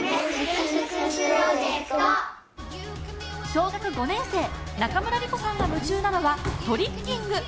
小学５年生中村琉子さんが夢中なのはトリッキング。